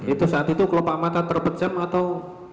itu saat itu kelopak mata terpecam atau